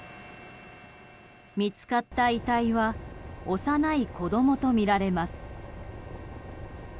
見つかった遺体は幼い子供とみられます。